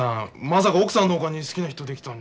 まさか奥さんのほかに好きな人出来た。